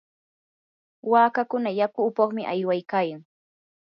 waakakuna yaku upuqmi aywaykayan.